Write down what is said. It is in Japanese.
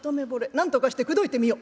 なんとかして口説いてみよう。